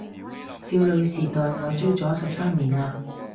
少女時代我追咗十三年喇